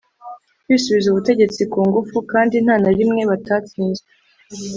kwisubiza ubutegetsi ku ngufu, kandi nta na rimwe batatsinzwe